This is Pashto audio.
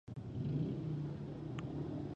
خو د پېنځو کسانو ټپونه سخت وو.